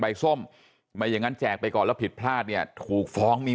ส้มไม่อย่างนั้นแจกไปก่อนแล้วผิดพลาดเนี่ยถูกฟ้องมี